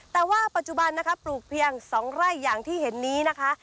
แต่ว่าปัจจุบันนะคะปลูกเพียง๒ไร่อย่างที่เห็นนี้นะคะ